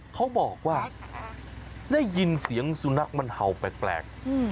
เขาบอกว่าได้ยินเสียงสุนัขมันเห่าแปลก